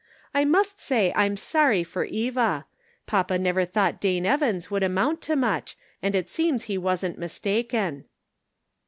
I must say I'm sorry for Eva. Papa never thought Dane Evans would amount to much, and it seems he wasn't mistaken."